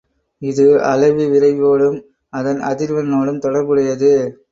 இது அலைவு விரைவோடும் அதன் அதிர்வெண் னோடும் தொடர்புடையது.